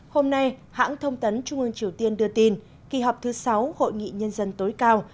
hôm nay hãng thông tấn trung ương triều tiên đưa tin kỳ họp thứ sáu hội nghị nhân dân tối cao